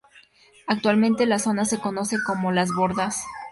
Actualmente la zona se conoce como "las bordas".